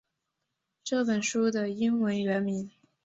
这本书的英文原名